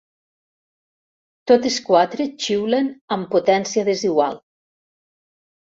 Totes quatre xiulen amb potència desigual.